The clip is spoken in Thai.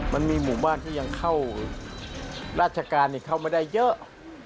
มันมีหมู่บ้านที่ยังเข้าราชการเข้ามาได้เยอะ